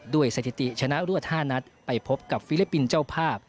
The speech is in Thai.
สถิติชนะรวด๕นัดไปพบกับฟิลิปปินส์เจ้าภาพ